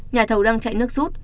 nhà thầu đang chạy nước rút